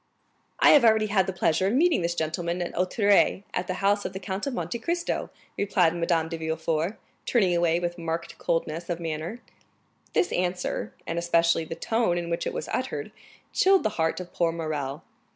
"I have already had the pleasure of meeting this gentleman at Auteuil, at the house of the Count of Monte Cristo," replied Madame de Villefort, turning away with marked coldness of manner. This answer, and especially the tone in which it was uttered, chilled the heart of poor Morrel.